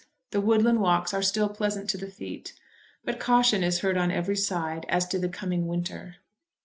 The woodland walks are still pleasant to the feet, but caution is heard on every side as to the coming winter.